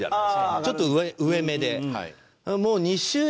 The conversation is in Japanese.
ちょっと上めで。